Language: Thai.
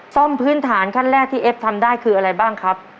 พื้นฐานขั้นแรกที่เอฟทำได้คืออะไรบ้างครับ